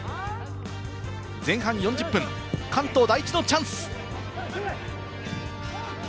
前半４０分、関東第一のチャンス！